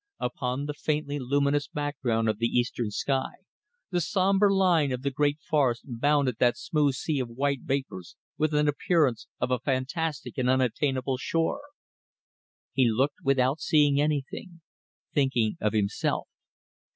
Upon the faintly luminous background of the eastern sky, the sombre line of the great forests bounded that smooth sea of white vapours with an appearance of a fantastic and unattainable shore. He looked without seeing anything thinking of himself.